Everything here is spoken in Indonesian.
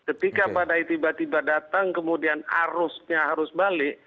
ketika badai tiba tiba datang kemudian arusnya harus balik